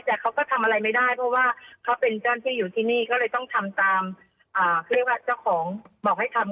แต่เขาก็ทำอะไรไม่ได้เพราะว่าเขาเป็นเจ้าหน้าที่อยู่ที่นี่ก็เลยต้องทำตามเขาเรียกว่าเจ้าของบอกให้ทำ